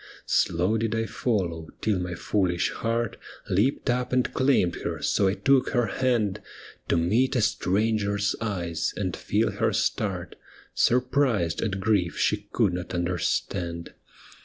Slow did I follow, till my foolish heart Leaped up and claimed her, so I took her hand, To meet a stranger's eyes, and feel her start, Surprised at grief she could not understand.